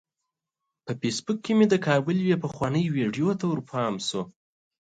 په فیسبوک کې مې د کابل یوې پخوانۍ ویډیو ته ورپام شو.